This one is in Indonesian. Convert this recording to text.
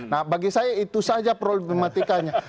nah bagi saya itu saja problematikanya